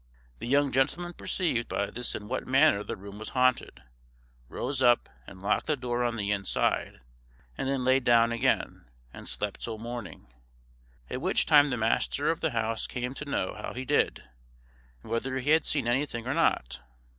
The young gentleman percieving by this in what manner the room was haunted, rose up and locked the door on the inside, and then laid down again, and slept till morning, at which time the master of the house came to know how he did, and whether he had seen anything or not.